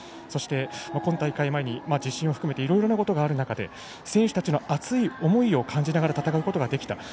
そして今大会前に地震を含めていろいろなことがある中で選手たちの熱い思いを感じながら戦うことができた。